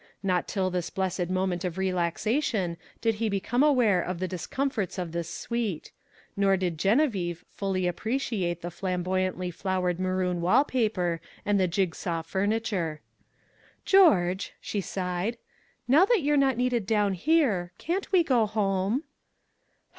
Not till this blessed moment of relaxation did he become aware of the discomforts of this suite nor did Geneviève fully appreciate the flamboyantly flowered maroon wall paper and the jig saw furniture. "George,"' she sighed, "now that you're not needed down here, can't we go home?"